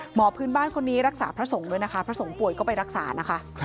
หมอพื้นบ้านคนนี้รักษาพระสงฆ์ด้วยนะคะพระสงฆ์ป่วยก็ไปรักษานะคะ